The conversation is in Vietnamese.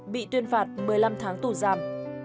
bị tuyên phạt một mươi năm tháng tù giam